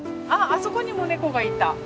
あそこにも猫がいた！